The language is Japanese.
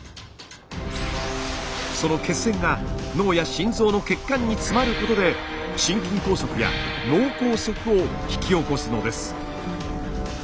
その血栓が脳や心臓の血管に詰まることで心筋梗塞や脳梗塞を引き起こすのです。